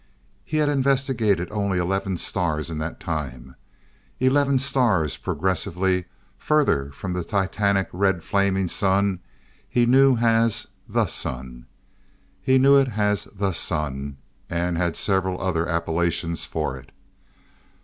He had investigated only eleven stars in that time, eleven stars, progressively further from the titanic red flaming sun he knew as "the" sun. He knew it as "the" sun, and had several other appellations for it.